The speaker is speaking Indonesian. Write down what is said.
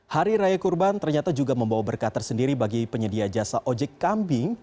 hari raya kurban ternyata juga membawa berkat tersendiri bagi penyedia jasa ojek kambing